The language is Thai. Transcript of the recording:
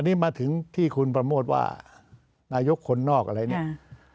นี่มาถึงที่คุณประโมทว่านายกคนนอกอะไรเนี่ย